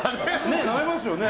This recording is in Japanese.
なめますよね？